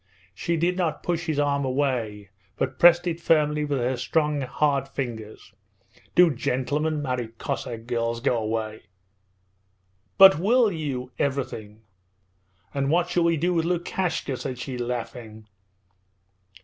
She did not push his arm away but pressed it firmly with her strong hard fingers. 'Do gentlemen marry Cossack girls? Go away!' 'But will you? Everything...' 'And what shall we do with Lukashka?' said she, laughing.